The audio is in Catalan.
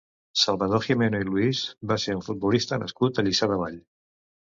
Salvador Gimeno i Luis va ser un futbolista nascut a Lliçà de Vall.